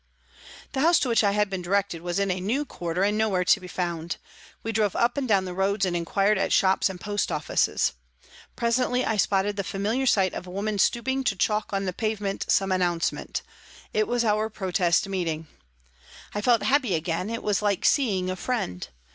The house to which I had been directed was in a new quarter and nowhere to be found. We drove up and down the roads and inquired at shops and post offices. Presently I spotted the familiar sight of a woman stooping to chalk on the pavement some announcement it was our protest meeting. I felt happy again, it was like seeing a friend.